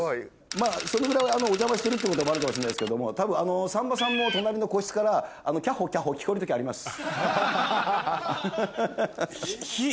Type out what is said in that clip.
まぁそのぐらいお邪魔してるってこともあるかもしんないですけどもさんまさんも隣の個室からキャホキャホ聞こえる時あります。